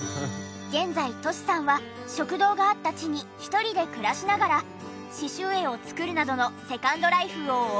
現在としさんは食堂があった地に１人で暮らしながら刺繍絵を作るなどのセカンドライフを謳歌中。